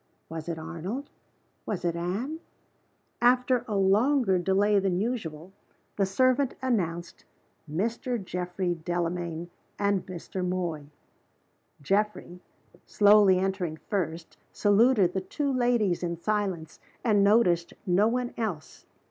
Was it Arnold? Was it Anne? After a longer delay than usual, the servant announced Mr. Geoffrey Delamayn and Mr. Moy. Geoffrey, slowly entering first, saluted the two ladies in silence, and noticed no one else.